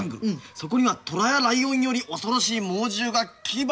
そこにはトラやライオンより恐ろしい猛獣が牙をむいているのだ」。